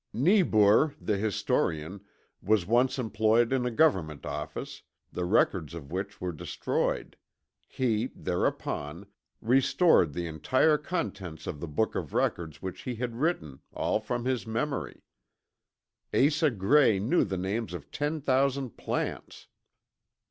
Niebuhr, the historian, was once employed in a government office, the records of which were destroyed. He, thereupon, restored the entire contents of the book of records which he had written all from his memory. Asa Gray knew the names of ten thousand plants.